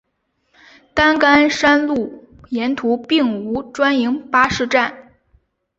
担杆山路沿途并无专营巴士站。